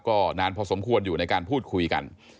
ก็นานพอสมควรอยู่ในการพูดคุยกัน